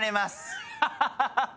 ハハハハ！